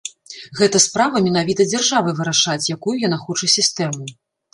Гэта справа менавіта дзяржавы вырашаць, якую яна хоча сістэму.